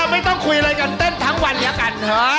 ไม่ต้องคุยอะไรกันเต้นทั้งวันเดียวกัน